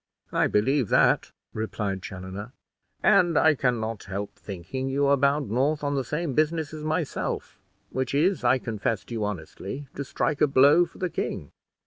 "I believe that," replied Chaloner; "and I can not help thinking you are bound north on the same business as myself, which is, I confess to you honestly, to strike a blow for the king.